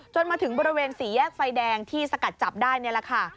จนถึงบริเวณสี่แยกไฟแดงที่สกัดจับได้นี่แหละค่ะ